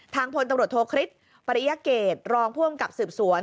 ทางพลตำรวจโทรคริสต์ปริยาเกษตร์รองพ่วงกับสืบสวน